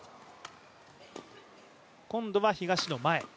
今度は東野、前。